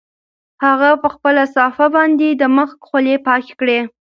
هغه په خپله صافه باندې د مخ خولې پاکې کړې.